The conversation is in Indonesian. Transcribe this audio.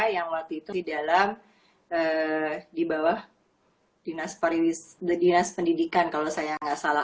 yang waktu itu di dalam di bawah dinas pendidikan kalau saya nggak salah